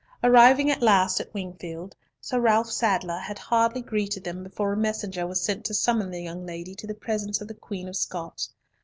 Arriving at last at Wingfield, Sir Ralf Sadler had hardly greeted them before a messenger was sent to summon the young lady to the presence of the Queen of Scots.